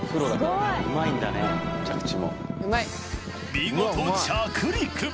見事着陸！